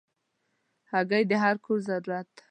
هګۍ د هر کور ضرورت ده.